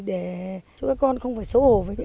để cho con nó không thể nghĩ là